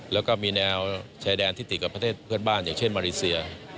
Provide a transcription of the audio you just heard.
แล้วก็มีแนวชายแดนที่ติดกับประเทศเพื่อนบ้านอย่างเช่นมาเลเซีย